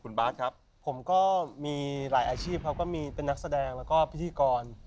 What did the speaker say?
คุณบาทครับผมก็มีหลายอาชีพครับก็มีเป็นนักแสดงแล้วก็พิธีกร